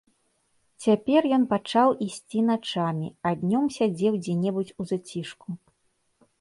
Цяпер ён пачаў ісці начамі, а днём сядзеў дзе-небудзь у зацішку.